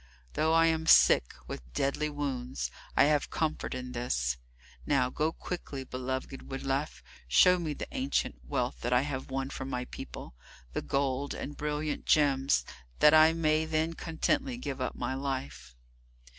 Though I am sick with deadly wounds, I have comfort in this. Now go quickly, beloved Wiglaf, show me the ancient wealth that I have won for my people, the gold and brilliant gems, that I may then contentedly give up my life."